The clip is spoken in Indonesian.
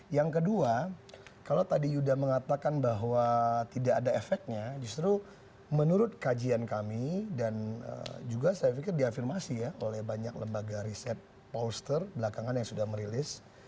yang kedua kalau tadi yuda mengatakan bahwa tidak ada efeknya justru menurut kajian kami dan juga saya pikir diafirmasi ya oleh banyak lembaga riset poster belakangan yang sudah merilis